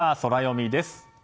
続いては、ソラよみです。